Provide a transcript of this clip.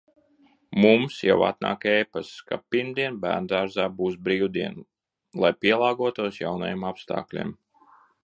Mums jau atnāk e-pasts, ka pirmdien bērnudārzā būs brīvdiena, lai pielāgotos jaunajiem apstākļiem.